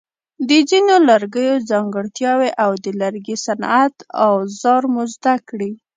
د ځینو لرګیو ځانګړتیاوې او د لرګي صنعت اوزار مو زده کړي.